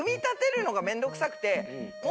くさくて。